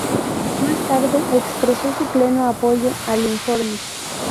Más tarde expresó su pleno apoyo al informe.